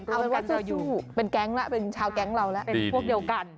เอาเป็นว่าสู้เป็นชาวแก๊งเราน่ะเป็นพวกเดียวกัน